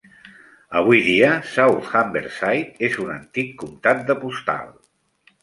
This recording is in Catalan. Avui dia, South Humberside és un "antic comtat de postal".